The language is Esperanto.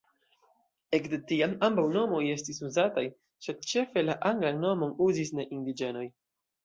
Ekde tiam ambaŭ nomoj estis uzataj, sed ĉefe la anglan nomon uzis ne-indiĝenoj.